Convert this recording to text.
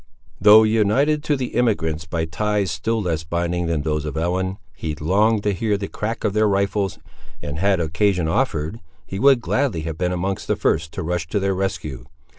Though united to the emigrants by ties still less binding than those of Ellen, he longed to hear the crack of their rifles, and, had occasion offered, he would gladly have been among the first to rush to their rescue.